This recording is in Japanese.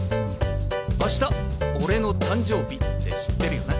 明日俺の誕生日って知ってるよな。